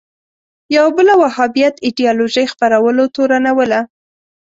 یوه بله وهابیت ایدیالوژۍ خپرولو تورنوله